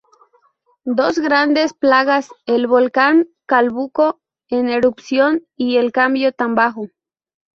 Dos grandes plagas: El volcán Calbuco en erupción y el cambio tan bajo.